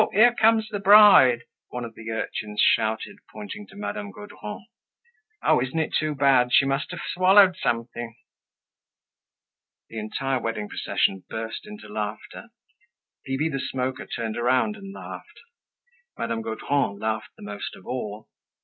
Here comes the bride!" one of the urchins shouted, pointing to Madame Gaudron. "Oh! Isn't it too bad! She must have swallowed something!" The entire wedding procession burst into laughter. Bibi the Smoker turned around and laughed. Madame Gaudron laughed the most of all.